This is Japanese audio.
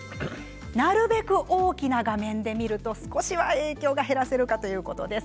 なるべく大きな画面ですと影響が減らせるということです。